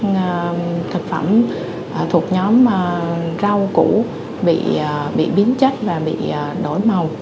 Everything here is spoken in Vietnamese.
các thực phẩm thuộc nhóm rau cũ bị biến chất và bị đổi màu